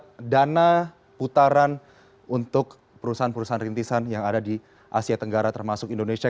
dan pada tahun dua ribu dua puluh tujuh kita lihat dana putaran untuk perusahaan perusahaan renitisan yang ada di asia tenggara termasuk indonesia